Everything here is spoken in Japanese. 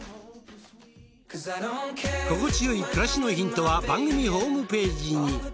心地よい暮らしのヒントは番組ホームページに。